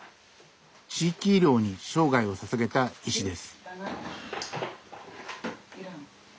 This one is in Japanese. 地域医療に生涯をささげた医師です。